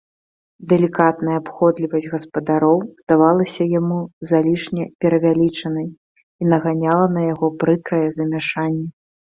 Далікатная абыходлівасць гаспадароў здавалася яму залішне перавялічанай і наганяла на яго прыкрае замяшанне.